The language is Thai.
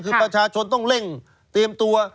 คือประชาชนต้องเร่งเตรียมตัว